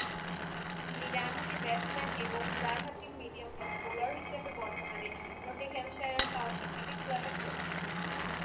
তিনি ডানহাতি ব্যাটসম্যান এবং ডানহাতি মিডিয়াম ফাস্ট বোলার হিসেবে বর্তমানে নটিংহ্যামশায়ার কাউন্টি ক্রিকেট ক্লাবে খেলছেন।